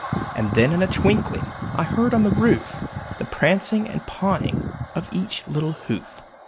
And then, in a twinkling, I heard on the roof The prancing and pawing of each little hoof.